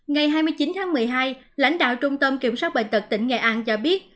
ngày hai mươi chín tháng một mươi hai lãnh đạo trung tâm kiểm soát bệnh tật tỉnh nghệ an cho biết